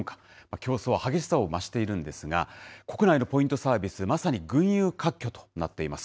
競争は激しさを増しているんですが、国内のポイントサービス、まさに群雄割拠となっています。